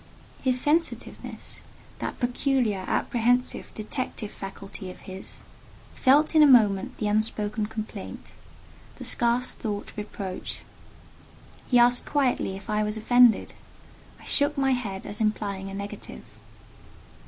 His sensitiveness—that peculiar, apprehensive, detective faculty of his—felt in a moment the unspoken complaint—the scarce thought reproach. He asked quietly if I was offended. I shook my head as implying a negative.